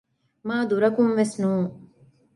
މާދުރަކުން ވެސް ނޫން